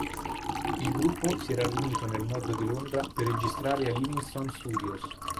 Il gruppo si era riunito nel nord di Londra per registrare ai Livingston Studios.